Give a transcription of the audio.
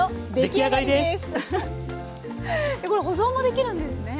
これ保存もできるんですね。